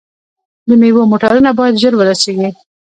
د میوو موټرونه باید ژر ورسیږي.